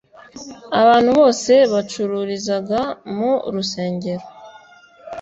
abantu bose bacururizaga mu rusengero